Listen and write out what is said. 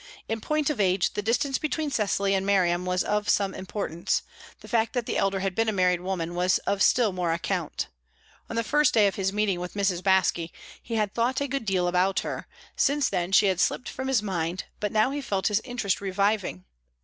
In point of age, the distance between Cecily and Miriam was of some importance; the fact that the elder had been a married woman was of still more account. On the first day of his meeting with Mrs. Baske, he had thought a good deal about her; since then she had slipped from his mind, but now he felt his interest reviving.